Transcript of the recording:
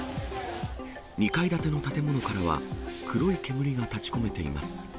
２階建ての建物からは、黒い煙が立ちこめています。